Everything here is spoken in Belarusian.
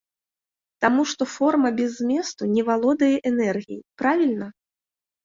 Таму што форма без зместу не валодае энергіяй, правільна?